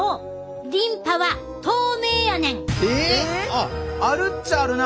あっあるっちゃあるな。